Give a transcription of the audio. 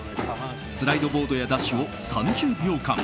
スライドボードやダッシュを３０秒間。